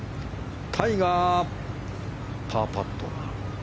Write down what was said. タイガーのパーパット。